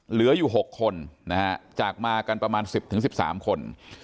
เหลืออยู่๖คนนะฮะจากมากันประมาณ๑๐๑๓คน